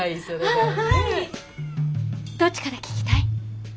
どっちから聞きたい？